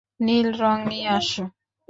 নীল রং নিয়ে আসো।